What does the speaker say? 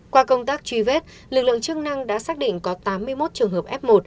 qua công tác truy vết lực lượng chức năng đã xác định có tám mươi một trường hợp f một